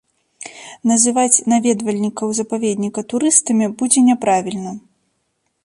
Называць наведвальнікаў запаведніка турыстамі будзе няправільна.